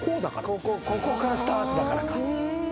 ここからスタートだからか。